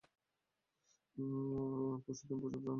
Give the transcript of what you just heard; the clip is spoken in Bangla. পশুদের এবং পশুপ্রায় অনুন্নত মনুষ্যগণের সকল সুখ দেহে।